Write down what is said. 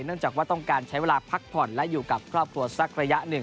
จากว่าต้องการใช้เวลาพักผ่อนและอยู่กับครอบครัวสักระยะหนึ่ง